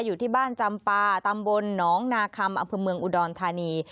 อยู่ที่บ้านจำปาตำบลหนองนาคำอำเภอเมืองอุดรธานี